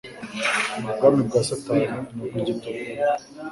Ubwami bwa Satani ni ubw'igitugu.